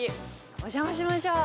お邪魔しましょう。